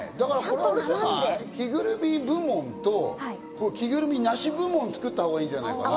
着ぐるみ部門と着ぐるみなし部門を作ったほうがいいんじゃないかな。